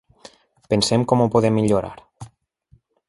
Pensem com ho podem millorar.